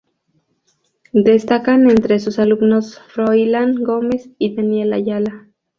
Destacan entre sus alumnos Froilán Gómez y Daniel Ayala.